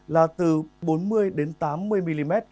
là từ bốn mươi đến tám mươi mm